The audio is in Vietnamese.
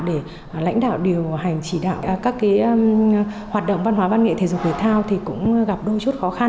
để lãnh đạo điều hành chỉ đạo các hoạt động văn hóa văn nghệ thể dục thể thao thì cũng gặp đôi chút khó khăn